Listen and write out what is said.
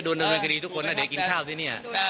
โดนการณ์กดีทุกคนนะเดี๋ยวกินข้าวที่นี่